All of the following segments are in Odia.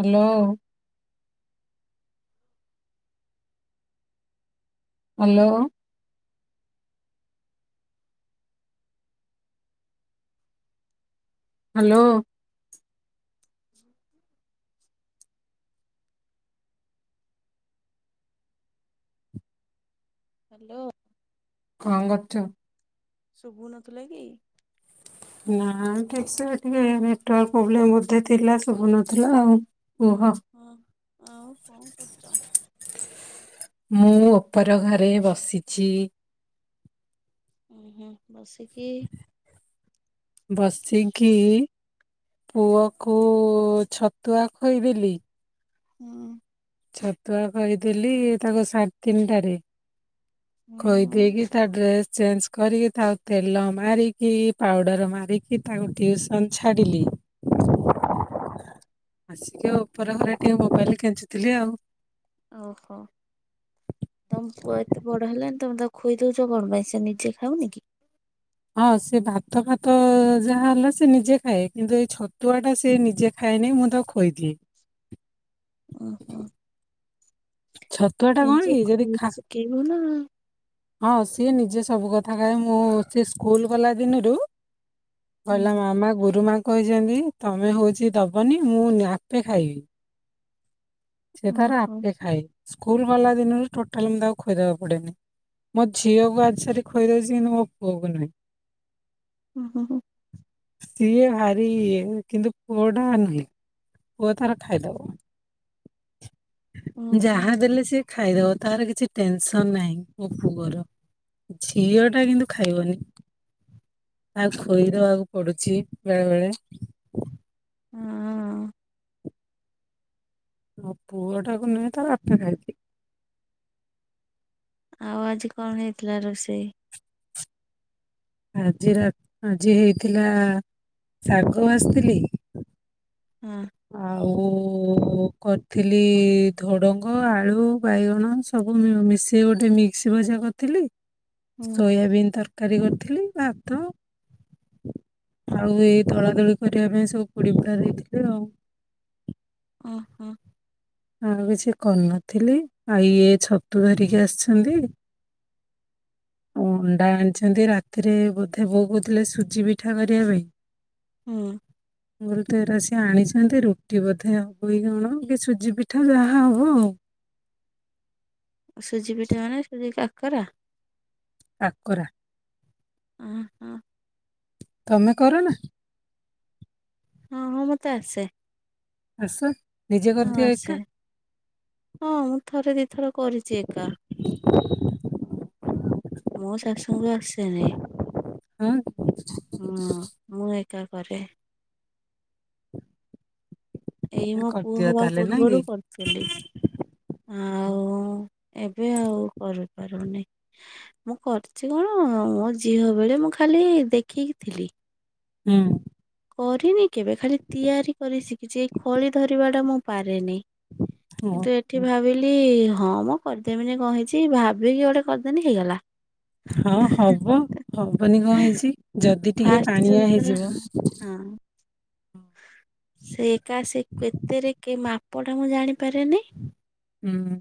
ହ୍ୟାଲୋ। ହ୍ୟାଲୋ। ହ୍ୟାଲୋ। [inaudible] ହ୍ୟାଲୋ। କଣ କରୁଚ? ଶୁଭୁ ନଥିଲା କି? ନା ଠିକ ସେ ଟିକେ ନେଟୱାର୍କ ପ୍ରୋବ୍ଲେମ୍ ବୋଧେ ଥିଲା ଶୁବୁନଥିଲା ଆଉ। କୁହ ଉଁ ହଁ ଆଉ କଣ କରୁଚ? ମୁଁ ଉପର ଘରେ ବସିଛି। ଉଁ ହୁଁ। ବସିକି ବସିକି ପୁଅକୁ ଛତୁଆ ଖୋଇଦେଲି। ହୁଁ। ଛତୁଆ ଖୋଇଦେଲି ତାକୁ ସାଢେ ତିନିଟାରେ। ହୁଁ ଖୋଇଦେଇକି ତା ଡ୍ରେସ ଚେଞ୍ଜ କରିକି ତାକୁ ତେଲ ମାରିକି ପାଉଡ଼ର ମାରିକି ତାକୁ ଟିଉସନ୍ ଛାଡ଼ିଲି। [inaudible] ଆସିକି ଆଉ ଉପର ଘରେ ଟିକେ ମୋବାଇଲ କେଞ୍ଚୁ ଥିଲି ଆଉ। ଓହୋ ତମ ପୁଅ ଏତେ ବଡ଼ ହେଲାନି ତମେ ତାକୁ ଖୋଇ ଦୋଉଚ କଣ ପାଇଁ ସେ ନିଜେ ଖାଉନି କି? ହଁ ସେ ଭାତ ଫାତ ଯାହା ହେଲା ସିଏ ନିଜେ ଖାଏ କିନ୍ତୁ ଏଇ ଛତୁଆଟା ସିଏ ନିଜେ ଖାଏନେଇ ମୁଁ ତାକୁ ଖୋଇଦିଏ। ଓହୋ। ଛତୁଆ ଟା କଣ ନିଜେ କି ଯଦି ଖୋଇ ଖା ଶିକେଇବ ନାଁ। ହଁ ସିଏ ନିଜେ ସବୁ କଥା ଖାଏ ମୁଁ ସିଏ ସ୍କୁଲ ଗଲା ଦିନୁରୁ କହିଲା ହୁଁ ମାମା ଗୁରୁମା କହିଚନ୍ତି ତମେ ହୋଉଚି ଦବନି ମୁଁ ନ ଆପେ ଖାଇବି। ସେ ତାର ଓହୋ ଆପେ ଖାଏ। ସ୍କୁଲ ଗଲା ଦିନରୁ ଟୋଟାଲି ମୁଁ ତାକୁ ଖଇଦବାକୁ ପଡ଼େନେଇ। ମୋ ଝିଅକୁ ଆଜି ସାରି ଖଇଦେଇଚି କିନ୍ତୁ ମୋ ପୁଅକୁ ନୁହେଁ। ଉଁ ହୁଁ ହୁଁ। ସିଏ ଭାରି ଇଏ କିନ୍ତୁ ପୁଅଟା ନୁହେଁ। ପୁଅ ଏଥର ଖାଇଦବ। ଓହୋ ଯାହା ଦେଲେ ସିଏ ଖାଇଦବ। ତାର କିଛି ଟେନସନ ନାହିଁ ମୋ ପୁଅର ଝିଅଟା କିନ୍ତୁ ଖାଇବନି ତା ଖୋଇଦବାକୁ ପଡ଼ୁଚି ବେଳେ ବେଳେ। ହଁ। ମୋ ଆଉ ପୁଅଟାକୁ ନୁହେଁ ତା ବାପା ଯାଏନି। ଆଉ ଆଜି କଣ ହେଇଥିଲା ରୋଷେଇ? ଆଜି ରା ଆଜି ହେଇଥିଲା ଶାଗ ଭାଜଥିଲି। ହଁ ଆଉ କରିଥିଲି ଧୁଡ଼ଙ୍ଗ ଆଳୁ ବାଇଗଣ ସବୁ ମିଉ ମିଶେଇ ଗୋଟେ ମିକ୍ସ ଭଜା କରଥିଲି। ହୁଁ ସୋୟବିନ୍ ତର୍ କାରୀ କରିଥିଲି ଭାତ ଆଉ ଏଇ ଦଳା ଦଳି କରିବା ପାଇଁ ସବୁ ପୋଡ଼ି ପୁଡ଼ା ଦେଇଥିଲି ଆଉ। ଓହୋ। ଆଉ କିଛି କରିନଥିଲି ଆ ଇଏ ଛତୁ ଧରିକି ଆସଛନ୍ତି ଅଣ୍ଡା ଆଣିଛନ୍ତି ରାତିରେ ବୋଧେ ବୋଉ କୋଉଥୁଲେ ସୁଜି ପିଠା କରିବା ପାଇଁ। ହୁଁ। ମୁଁ ଅଲି ତ ଏରା ସିଏ ଆଣିଛନ୍ତି ରୁଟି ବୋଧେ ହବ କି କଣ କି ସୁଜି ପି ଠା ଯାହା ହବ ଆଉ। ସୁଜି ପିଠା ମାନେ ସୁଜି କା କରା କାକରା। ଅଁ ହଁ। ତମେ କର ନା? ହଁ ହଁ ମତେ ଆସେ। ଆସେ? ନିଜେ ହଁ କରିଦିଅ ଆସେ। ଏକା? ହଁ ମୁଁ ଥରେ ଦି ଥର କରିଚି ଏକା। [inaudible] ମୁଁ ବି ଆସେନି। ହଁ। ହଁ ମୁଁ ଏକା କରେ। ଏଇ ମୋ ପୁଅ କରିଦିଅ ହବା ତାହେଲେ ନା ପୂର୍ବରୁ କି କରୁଥିଲି ଆଉ ଏବେ ଆଉ କରିପାରୁନି। ମୁଁ କରିଛି କଣ ମୋ ଝିଅ ବେଳେ ମୁଁ ଖାଲି ଦେଖିକି ଥିଲି। ହୁଁ କରିନି କେବେ ଖାଲି ତିଆରି କରି ଶିଖିଛି ଏଇ ଖଳି ଧରିବା ଟା ମୁଁ ପାରେନି। ହଉ କିନ୍ତୁ ଏଠି ଭାବିଲି ହଁ ମୁଁ କରିଦେମିନି କହିଛି ଭାବିକି ଗୋଟେ କରିଦେଲିି ହେଇଗଲା। ହଁ ହଁ ହବ ହବନି କଣ ହେଇଛି ଯା ଯଦି ଟିକେ ଫାଷ୍ଟ ଯୋଉ ପାଣିଆ ଥର ହେଇଯିବ ହଁ। ସେ କା ସେ କେତେରେ କେ ମାପ ଟା ମୁଁ ଜାଣିପାରେନି ହୁଁ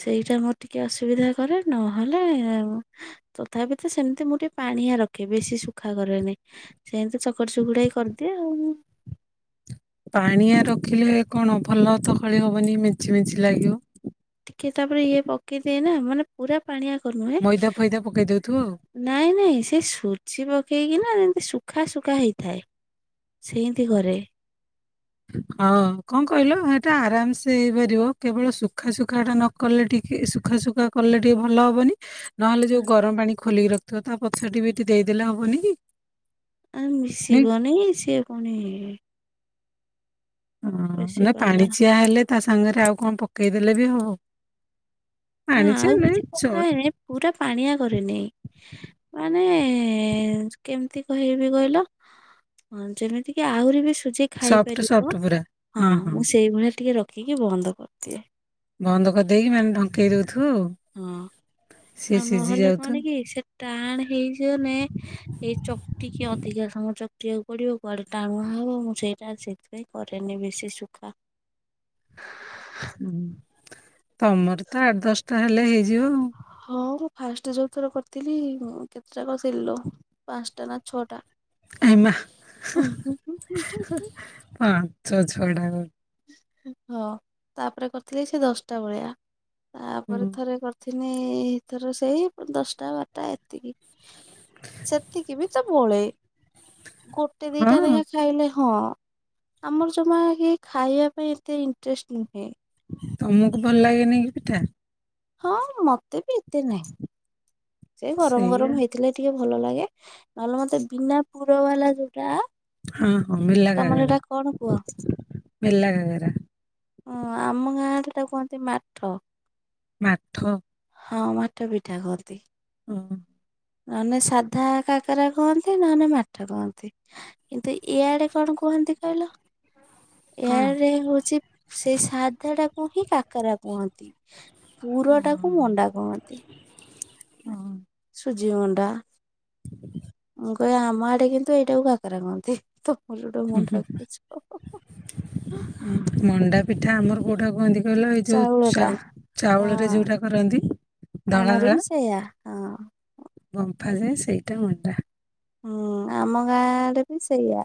ସେଇଟା ମୋର ଟିକେ ଅସୁବିଧା କରେ ନହେଲେ ତଥାପି ତ ସେମିତି ମୁଁ ଟିକେ ପାଣିଆ ରଖେ ବେଶୀ ସୁଖା କରେନି। ସେ ସେମତି ଚକଟି ଚୁକୁଟା କି କରିଦିଏ ଆଉ। ପାଣିଆ ରଖିଲେ କଣ ଭଲ ତ ଖଳି ହବନି ମେଞ୍ଚି ମେଞ୍ଚି ଲାଗିବ ଟିକେ ତାପରେ ଇଏ ପକେଇଦିଏ ନା ମାନେ ପୁରା ପାଣିଆ କରି ନୁହେଁ ମଇଦା ଫଇଦା ପକେଇ ଦଉଥିବ ନାଇଁ ନାଇଁ ସେ ସୁଜି ପକେଇକି ନା ନା ଏମିତି ଶୁଖା ଶୁଖା ହେଇଥାଏ। ସେଇତି ଆଉ। କରେ ହଁ କଣ କହିଲ ହେଟା ଆରାମସେ ହେଇପାରିବ କେବଳ ସୁଖା ସୁଖା ଟା ନକଲେ ଟିକେ ସୁଖା ସୁଖା କଲେ ଟିକେ ଭଲ ହବନି ନହେଲେ ଯୋଉ ଗରମ ପାଣି ଖୋଲିକି ରଖିଥିବ ତା ପଛ ଟ ବିି ଦେଇଦେଲେ ହବନି କି? ଆ ନାଇଁ ମିଶିବନି ସିଏ ଫୁଣି ଇ ହଁ ନା ପାଲା ପାଣିଚିଆ ହେଲେ ତା ସାଙ୍ଗରେ ଆଉ କଣ ପକେଇଦେଲେ ବି ହବ। ନା ପାଣିଚିଆ ଆଉ ନୁହେଁ କିଛି ସ କଥା ହେଇନି ପୁରା ପାଣିଆ କରିନି ମାନେ ଏଁ ଏଁ କେମିତି ହେଇବି କହିଲ ଯେମିତି କି ଆହୁରି ବି ସଫ୍ଟ ସଫ୍ଟ ଖାଇପାରିବ ପୁରା ହଁ ମୁଁ ସେଇ ଭଳିଆ ଟିକେ କି କି ବନ୍ଦ କରିଦିଏ। ବନ୍ଦ କରି ହଁ ସିଏ ଆଉ ସିଝି ନହେଲେ ଯାଉଥିବ କଣ କି ସେ ଟାଣ ହେଇଯିବନ ଏଇ ଚକଟିକି ଅଧିକା ସମ ଚକ କୁଟିବାକୁ ପଡିବ କୁଆଡେ ଟାଣୁଆ ହବ ମୁଁ ସେଇଟା ସେଥିପାଇଁ କରେନି ବେଶୀ ସୁଖା। ହୁଁ ତମର ତ ଆଠ ଦଶ ତାହେଲେ ହେଇ ଯି ଯିବ ଆଉ ହଁ ମୁଁ ଫାଷ୍ଟ ଯୋଉଥର କରିଥିଲି କେତେଟା କରି ସିଲ ପାଞ୍ଚଟା ନା ଛଅଟା। ଆମା ହଁ। ଛ ଛ ଡା ହଁ ତାପରେ କରିଥିଲି ସେ ଦଶଟା ଭଳିଆ। ତାପରେ ହୁଁ। ଥରେ କରି ଦିନିଥର ସେଇ ପ ଦଶଟା ବାରଟା ଏତିକି। ସେତିକି ବି ସବୁବେଳେ ଗୋଟେ ହଁ ଦିଟା ଲେଖାଁଏ ଖାଇଲେ ହଁ ଆମର ଜମା ଇଏ ଖାଇବା ପାଇଁ ଏତେ ଇଣ୍ଟରେଷ୍ଟ ନୁହେଁ। ତମକୁ ଭଲ ଲାଗେନି କି ପିଠା? ହଁ ମତେ ବି ଏତେ ନାହିଁ। ସେ ଗରମ ସେଇଆ ଗରମ ହେଇଥିଲେ ଟିକେ ଭଲ ଲାଗେ ନହେଲେ ମତେ ବିନା ପୁର ବାଲା ଯୋଟା ହଁ ହଁ ମିଲା କାକରା। କୁହ? ମେଲା ଗାଗରା। ହଁ ଆମ ଗାଁରେ ଟାକୁ କୁହନ୍ତି ମାଠ। ମାଥ? ହଁ ମାଟ ପିଠା କନ୍ତି। ହୁଁ ନହଲେ ସାଧା କାକରା କୁହନ୍ତି ନହଲେ ମାଠ କହନ୍ତି କିନ୍ତୁ ଇଆଡେ କଣ କୁହନ୍ତି କହିଲ? କଣ ଏଆଡେ ହଉଛି ସେଇ ସାଧା ଟାକୁ କୁହିିକା କାକରା କୁହନ୍ତି ଅଁ, ପୁର ଟାକୁ ମଣ୍ଡା କୁହନ୍ତି। ହଁ ସୁଜି ଅଣ୍ଡା [inaudible] ମୁଁ କହେ ଆମ ଆଡେ କିନ୍ତୁ ଏଇଟାକୁ କାକରା କୁହନ୍ତି ତ ହୁଁ ହୁଁ ମଣ୍ଡା ପି ଠା ଆମର କୋଉଟା କହନ୍ତି କହିଲ ଏଇ ଯୋଉ ଚାଉଳ ଟା ଚାଉ ହଁ ଚାଉଳରେ ଯୋଉଟା କରନ୍ତି ଧଳା ଆମର ଧଳା ବି ସେଇଆ ହଁ। ବମ୍ଫା ଯାଏଁ ସେଇଟା ମଣ୍ଡା। ହୁଁ ଆମ ଗାଁ ରେ ବି ସେଇଆ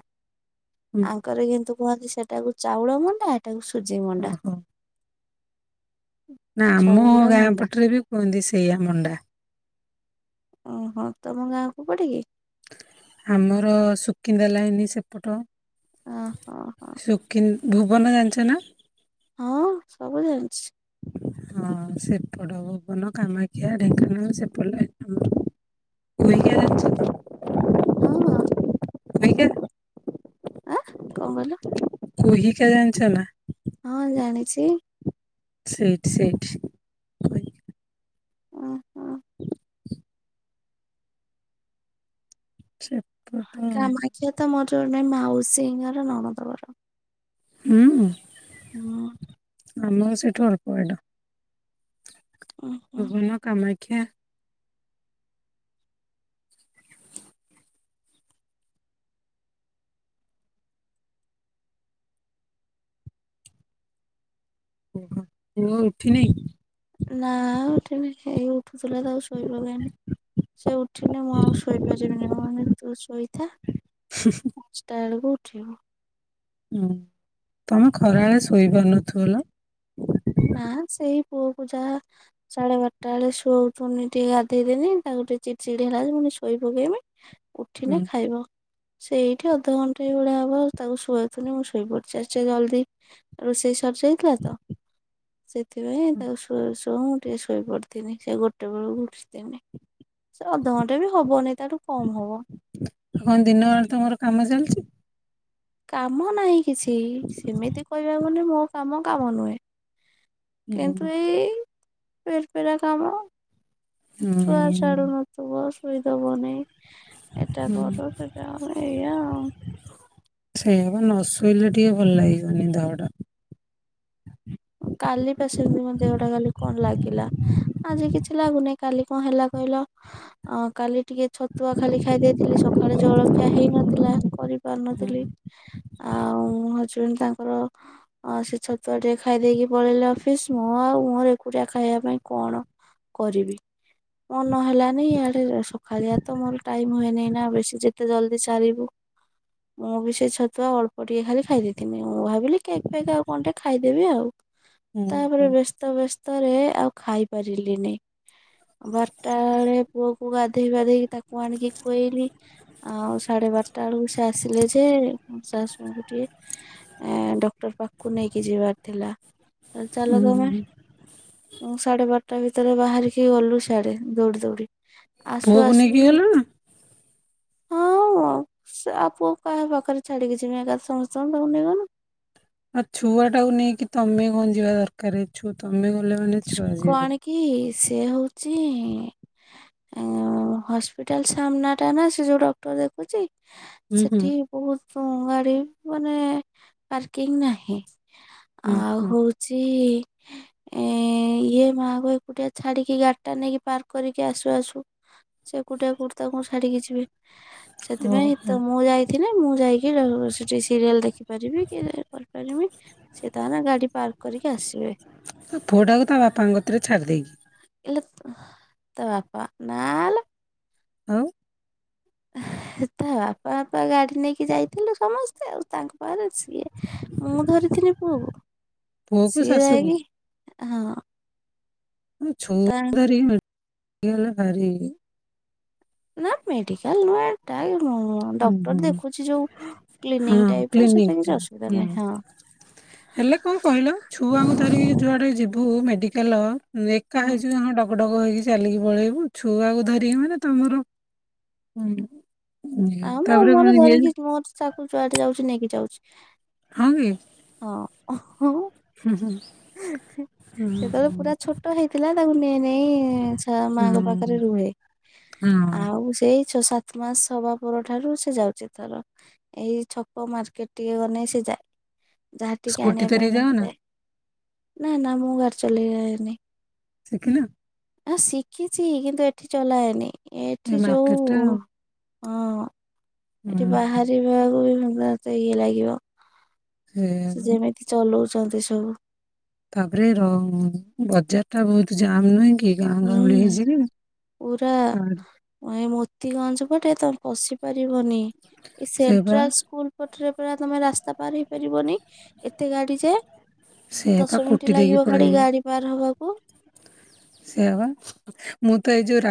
ହୁଁ, ଆଙ୍କର କିନ୍ତୁ କୁହନ୍ତି ସେଟାକୁ ଚାଉଳ ମଣ୍ଡା ଏଇଟାକୁ ସୁ ସୁଜି ମୁଣ୍ଡା। ଓହୋ ନା ଆମ ଗୁଡା ଗାଁ ମଣ୍ଡା ପଟରେ ବି କୁହନ୍ତି ସେଇଆ ମଣ୍ଡା ଓହୋ ତମ ଗାଁ କୋଉ ପଟେ କି? ଆମର ଶୁକିନ୍ଦା ଲାଇନ ସେପଟ। ଓହୋ ହଁ। ଶୁକିନ୍ ଭୁବନ ଜାଣିଛ ନା? ହଁ ସବୁ ଜାଣିଛି। ହଁ ସେପଟ ଭୁବନ କାମାକ୍ଷା ଢେଙ୍କାନାଳ ସେପଟ ଲାଇନ୍ ଆମର। ଓ କୁହିକା ହୋ ଜାଣିଛ ହଁ ହଁ। [inaudible] ଆଁ କଣ କହିଲୁ? କୁହିକା ଜାଣିଛ ନା? ହଁ ଜାଣିଛି। ସେଇଠି ସେଇଠି କୁହିକା। ଓ ହୋ। ଛେ କାମାଖ୍ୟା ତ ମୋର ଜଣେ ମାଉସୀଙ୍କର ନମନ୍ଦ ଘର। ହୁଁ। ହଁ। ଆମ ସେଇଠୁ ଅଳ୍ପ ବାଟ। ଉଁ ହୁଁ। ବିଭିନ୍ନ କାମ [unintelligible] ଓହୋ ମୁଁ ଉଠିନି ନା ଉଠିନି ଏଇ ଉଠୁଥିଲା ତା ଆଉ ଶୋଇ ପକେଇନି ସେ ଉଠିନି ମୁଁ ଆଉ ଶୋଇପାରିବିନି ମାନ ତୁ ଶୋଇଥା ପାଞ୍ଚଟା ବେଳକୁ ଉଠିବ। ହୁଁ ତମେ ଖରାବେେଳେ ଶୋଇପାରୁନଥିବ ନା? ନା ସେଇ ପୁଅକୁ ଯାହା ସାଢେ ବାରଟା ବେଳେ ଶୁଆଉଛନ୍ତି ଟିକେ ଗାଧେଇଦନି ତାକୁ ଟିକେ ଚିଡି ଚିଡି ହେଲା ପୁଣି ଶୋଇ ପକେଇମି ଉଠିନେ ହୁଁ। ଖାଇବ। ସେଇଠି ଅଧଘଣ୍ଟାଏ ଭଳିଆ ହବ ତାକୁ ଶୁୋଇଥୁନି ମୁଁ ଶୋଇ ପଡୁଛିି ଆଜି ଟିକେ ଜଲଦି ରୋଷେଇ ସରିଯାଇଥିଲା ତ ସେ ସେଥିପାଇଁ ତାକୁ ଆଉ ଶୁଆ ମୁଁ ଟିକେ ଶୋଇ ପଡିଥିନି ସେ ଗୋଟେ ବେଳକୁ ଉଠିନି ସେ ଅଧଘଣ୍ଟା ବି ହବନି ତାଠୁ କମ ହବ। କଣ ଦିନ ବଳେ ତମର କାମ ଚାଲିଛି? କାମ ନାହିଁ କିଛି ସେମିତି କହିବା କୁ ଗଲେ ମୋ ତମ କାମ ନୁହେଁ। ହୁଁ କିନ୍ତୁ ଏଇ ପେର ପେରା କାମ। ଛୁଆ ହୁଁ। ଛାଡୁନ ତୁ ବସ୍। ଶୋଇଦେବନି। ଏଟା ହୁଁ କର ସେଟା [inaudible] ଏଇଆ ସେଇଆ ପା ନ ଶୋଇଲେ ଟିକେ ଭଲ ଲାଗିବନି ଦେହଟା। କାଲି ପା ସେମିତି ମୋ ଦେହଟା ଖାଲି କଣ ଲାଗିଲା, ଆଜି କିଛି ଲାଗୁନି କାଲି କଣ ହେଲା କହିଲ, ଅଁ କାଲି। ଟିକେ ଛତୁଆ ଖାଲି ଖାଇ ଦେଇଥିଲି ସକାଳେ ଜଳଖିଆ ହେଇନଥିଲା, ହୁଁ। କରିପାରୁନଥିଲି। ଆଉଁ ହଜବେଣ୍ଡ ତାଙ୍କର ଅ ସେ ଛତୁଆଟେ। ଖାଇଦେଇକି ପଳେଇଲେ ଅଫିସ୍, ମୁଁ ଆଉ ମୋର ଏକୁଟିଆ ଖାଇବା ପାଇଁ କଣ କରିବି? ମନ ହେଲାନି ଇଆଡେ ସକାଳିଆ ତ ମୋର ଟାଇମ୍ ହୁଏନି ନା ବେଶୀ ଯେତେ ଜଲଦି ସାରିବୁ ମୁଁ ବି ସେ ଛତୁଆ ଅଳ୍ପ ଟିକେ ଖାଲି ଖାଇ ଦେଇଥିନି ମୁଁ ଭାବିଲି କେକଫେକ୍ ଆଉ କଣ ଟିକେ ଖାଇ ଦେବି ଆଉ। ହୁଁ ତାପରେ ହୁଁ ବ୍ୟସ୍ତ ବ୍ୟସ୍ତ୍। ତାରେ ଆଉ ଖାଇପାରିଲିନି, ବାରଟା ବେଳେ ପୁଅକୁ ଗାଧେଇପାଧେଇକି ତାକୁ ଆଣିକି ଖୁଆଇଲି ଆଉ ସାଢେ ବାରଟା ବେଳକୁ ସେ ଆସିଲେ ଯେ ମୋ ଶାଶୁଙ୍କୁ ଟିକେ ଡକ୍ଟର ପାଖକୁ ନେଇକି ଯିବାର୍ ଥିଲା। ଚାଲ ତମେ, ହୁଁ ମୁଁ ସାଢେ ବାର୍ ଟା ଭିତରେ ବାହାରିକି ଗଲୁ ସିଆଡେ ଦୌଡ଼ି ଦୌଡ଼ି। ପୁଅକୁ ନେଇକି ଗଲ? ହଁଅଅ ହଁ ସେ ଆଉ ପୁଅକୁ କାହା ପାଖରେ ଛାଡିକି ଯିମି ଏକଥରେ ସମସ୍ତଙ୍କୁ ତାକୁ ନେଇଗନୁ। ଆଉ ଛୁଆଟାକୁ ନେଇକି ତମେ କଣ ଯିବା ଦରକାର ଛୁତ୍ ତମେ ଗଲେ ମାନେ ଛୁଆ କୁ ଯିବେ। ଆଣିକି ସେ ହଉଛିଇଇ ଉଁ ଉଁ ହସ୍ପିଟାଲ ସାମ୍ନାଟା ନା ସେ ଯୋଉ ଡକ୍ଟର ଦେଖୁଛି। ହୁଁ ହୁଁ ସେଠି ବହୁତ୍। [inaudible] ଗାଡି ମାନେ, ପାର୍କିଙ୍ଗ୍ ନାହିଁ। ହୁଁ ଆଉ ହୁଁ। ହଉଚି ଏଁ ଏଁ ଏଁ ଏଁ ଇଏ ମାଆଙ୍କୁ ଏକୁଟିଆ ଛାଡିକି ଗାଡିଟା ନେଇକି ପାର୍କ କରିକି ଆସୁ ଆସୁ ସେ ଏକୁଟିଆ କୋଉଠି ତାଙ୍କୁ ଛାଡିକି ଯିବେ। ଏ ସେଥିପାଇଁ ଓହୋ ତ ମୁଁ ଯାଇଥିଲି ମୁଁ ଯାଇକି ସେଠି ସିରିଏଲ୍ ଦେଖିପାରିବି କି ଏ କରିପାରିବି ସେ ତାଙ୍କର ଗାଡି ପାର୍କ କରିକି ଆସିବେ। ତା ପୁଅଟାକୁ ତା ବାପାଙ୍କ କତିରେ ଛାଡ଼ି ଦେଇକି। ଆଲୋତ୍ ତା ବାପା ନାଆଲୋ ଆଉ। ହେଁ ତା ବାପାଫାପା ଗାଡି ନେଇକି ଯାଇଥିଲୁ ସମସ୍ତେ ଆଉ ତାଙ୍କ ପାଖରେ ସିଏ, ମୁଁ ଧରିଥିଲି ପୁଅକୁ ପୁଅକୁ ସିଏ ଶାଶୁକୁ ଯାଇକି ହଁ। [inaudible] ଛୁ ତା ଧରି [inaudible] [inaudible] ଭାରି ହେଇ ଯିବ। ନା ମେଡିକାଲ୍ ନୁହେ ଏଟା। [inaudible] ହୁଁ ହୁଁ, ହଁ କ୍ଲିନିକ ଟାଇପ ର ସେଟା କ୍ଲିନିକ୍ କିଛି ଟା ଅସୁବିଧା ହୁଁ ନାହିଁ ହଁ। ହେଲେ କଣ କହିଲ ଛୁଆଙ୍କୁ ଧରିିକି ଯୁଆଡେ ଯିବୁ ମେଡି ହ୍ୟାଲୋ। [inaudible] ଏକା ହୁଁ ହେଇଛୁ। [inaudible] କଟକ ହେଇକି ଚାଲିକି ପଳେଇବୁ ଛୁଆକୁ ଧରିକି ମାନେ ତମର ହୁଁ। ଆ ମୁଁ ତାପରେ ମୋର ଇଏ ଧରିକି ମୋର ତାକୁ ଯୁଆଡେ ଯାଉଛି ନେଇକି ଯାଉଛି। ହଁ କି? ଓହୋ। ହୁଁ ହୁଁ ହୁଁ ହେଁ ହୁଁ ସେତେବେଳେ ପୁରା ଛୋଟ ହେଇଥିଲା ତାକୁ ନେଇ ନେଇ ମାଙ୍କ ପାଖରେ ହୁଁ। ରୁହେ ହଁ ଆଉ ସେଇ ଛଅ ସାତ ମାସ ହବା ପର ଠାରୁ ସେ ଯାଉଛି ତର ଏଇ ଛକ ମାର୍କେଟ ଟିକେ ଗନେଇ ସେ ଯାଏ। ଯାହା ଟିକେ ସ୍କୁଟି ଆଣିବା ପାଇଁ ଧରିକି କମେ ଯାଅନା ଯାଏ। ନା ନା ମୁଁ ଘରେ ଚଲେଇ ଯାଇନି। ଶିଖିନ? ମୁଁ ଶିଖିଛି କିନ୍ତୁ ଏଠି ଚଲାଏନି। ଏଇ ଏଠି ଯୋଉ ମାର୍କେଟ ଟା ଉ ଉଁ, ହଁ। ଏ ଏଠି ମାର୍କେଟଟା। ବାହାରିବାକୁ ବି ତ ଇଏ ଲାଗିବ। ସେ ଯେମିତି ଚଲୁଛି ଛନ୍ତି ସବୁ। ତାପରେ ର ବଜାର ଟା ବହୁତ ଜାମ୍ ନୁହେଁ କି। ହୁଁ [unintelligible] ତି ଗଞ୍ ପଟେ ତମ ପଶିପାରିବି। ସେ [unintelligible] ବା ପାରେ ପା ତମେ ରାସ୍ତା ପାର ହେଇପାରିବନି ଏତେ ଗାଡି ଯେ ସେ ବା ଦଶ ମିନିଟ କୁଟି ଦେଇକି ଲାଗିବ ଖାଲି ପଳେଇବେ ଗାଡି ପାର ହବାକୁ [inaudible] [unintelligible] ମୁଁ ତ ଏଇ ଯୋଉ [unintelligible]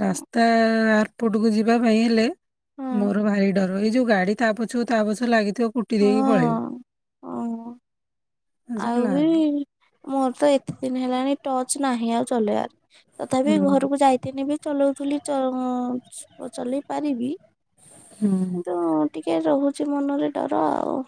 ରାସ୍ତା ଏପଟକୁ ଯିବା ପାଇଁ ହେଲେ ହଁ ମୋର ଭାରି ଡର ଏଇ ଯୋଉ ଗାଡି ତା ପଛୁ ତା ପଛୁ ଲାଗି ତ କୁଟି ଦେଇକି ପଳେଇଲୁ ହଁ ଓ [inaudible] ସେ ଆଉ ବି ଲାଗ ମୋର ତ ଏତେ ଦିନ ହେଲାଣି ଟଚ ନାହିଁ ଆଉ ଚଲେଇବାର ତଥାପି ହୁଁ ଘରକୁ ଯାଇଥିନି ବି ଚଲଉଥିଲି ଚ ଉଁ ସୁ ଚଲେଇ ପାରିବି। ହୁଁ କିନ୍ତୁ ଟିକେ ରହୁ ଛି ମନରେ ତର ଆଉ